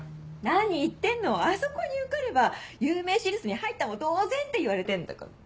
何言ってんのあそこに受かれば有名私立に入ったも同然っていわれてんだから。